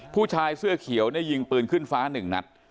ผู้ชายเสื้อเขียวเนี่ยยิงปืนขึ้นฟ้าหนึ่งนัด